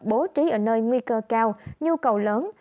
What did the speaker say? bố trí ở nơi nguy cơ cao nhu cầu lớn